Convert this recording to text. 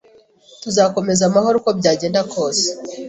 Tuzakomeza amahoro uko byagenda kose